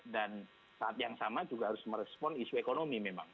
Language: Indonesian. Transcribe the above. dan saat yang sama juga harus merespon isu ekonomi memang